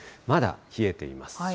まだ冷えています。